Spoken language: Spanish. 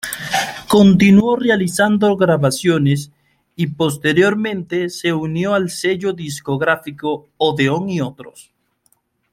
Continuó realizando grabaciones y, posteriormente, se unió al sello discográfico Odeón y otros.